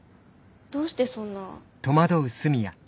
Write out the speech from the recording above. どうしてそんな。